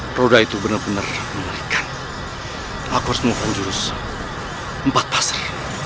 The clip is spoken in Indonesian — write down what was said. hai roda itu benar benar menarikkan aku harus memulai jurus empat pasar